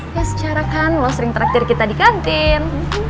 ya secara kan lo sering traktir kita di kantin